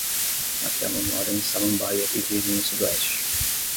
A Telma mora em Samambaia e vive no Sudoeste.